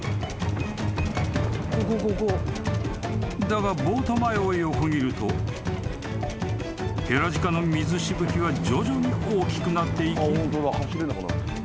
［だがボート前を横切るとヘラジカの水しぶきは徐々に大きくなっていき］